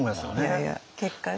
いやいや結果ね。